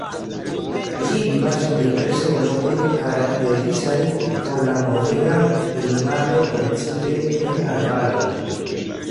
Ĝi vivas en diversaj lokoj karakterizaj por la modera klimato, precipe en arbaroj.